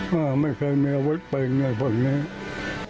ไม่เคยมีไม่เคยมีอาวุธเป็นอะไรพวกนี้